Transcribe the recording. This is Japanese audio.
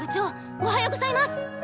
おはようございます！